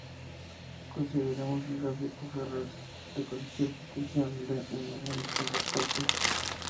Consideremos el gráfico Ferrers de cualquier partición de "n" en distintas partes.